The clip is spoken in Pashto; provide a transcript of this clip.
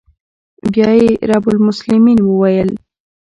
بيا يې رب المسلمين وويل.